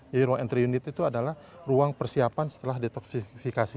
jadi ruang entry unit itu adalah ruang persiapan setelah detoksifikasi